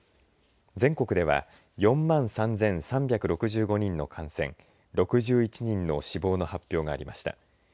全国では４万３３６５人の感染６１人の死亡の発表がありました。